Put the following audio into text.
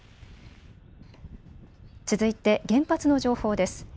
続いて原発の情報です。